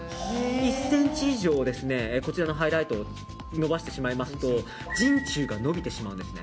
１ｃｍ以上こちらのハイライトを伸ばしてしまいますと人中が伸びてしまうんですね。